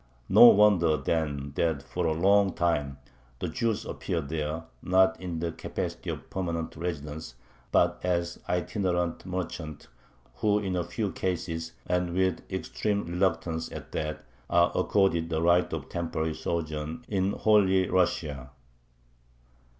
No wonder then that for a long time the Jews appear there, not in the capacity of permanent residents, but as itinerant merchants, who in a few cases and with extreme reluctance at that are accorded the right of temporary sojourn in "holy Russia."